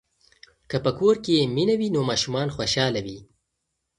که په کور کې مینه وي نو ماشومان خوشاله وي.